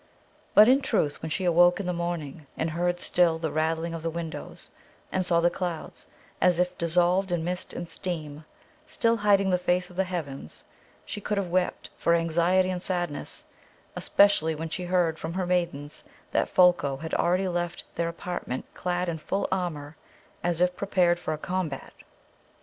But in truth when she awoke in the morning, and heard still the rattling of the windows, and saw the clouds, as if dissolved in mist and steam, still hiding the face of the heavens, she could have wept for anxiety and sadness, especially when she heard from her maidens that Folko had already left their apartment clad in full armour as if prepared for a combat.